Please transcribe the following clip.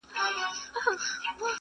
ستا او ورور تر مابین ډېره فاصله ده,